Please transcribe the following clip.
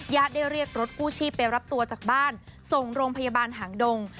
ได้เรียกรถกู้ชีพไปรับตัวจากบ้านส่งโรงพยาบาลหางดง